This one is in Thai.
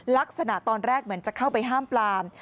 ลักษณะตอนแรกเหมือนจะเข้าไปห้ามปลาม